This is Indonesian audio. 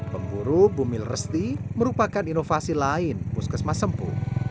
pemburu bumil resti merupakan inovasi lain puskesmas sempu